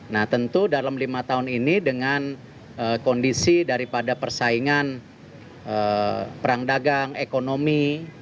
nah tentu dalam lima tahun ini dengan kondisi daripada persaingan perang dagang ekonomi